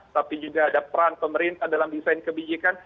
tapi juga ada peran pemerintah dalam desain kebijakan